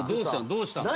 どうしたの？